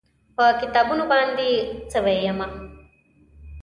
په کتابونو باندې سوی یمه